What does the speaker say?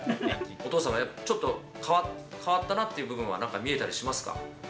お父さん、ちょっと変わったなっていうところは、なんか見えたりしますか？